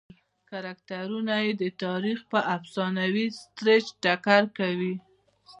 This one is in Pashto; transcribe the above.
کرکټرونه یې د تاریخ پر افسانوي سټېج ټکر کوي.